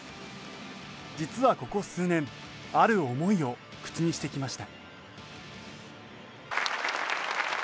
実はここ数年ある思いを口にしてきました。